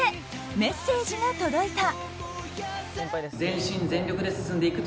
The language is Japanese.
メッセージが届いた。